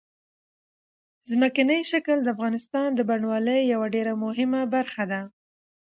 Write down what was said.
ځمکنی شکل د افغانستان د بڼوالۍ یوه ډېره مهمه برخه ده.